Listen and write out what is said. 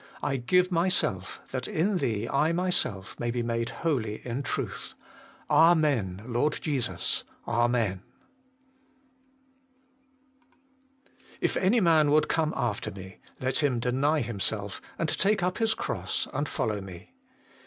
I give myself, that in Thee I myself may be made holy in truth. Amen. Lord Jesus ! Amen. 1. 'If any man would come after me, let him deny himself, and take up his cross, and follow me.'